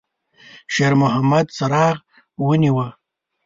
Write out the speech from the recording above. شېرمحمد څراغ ونیوه.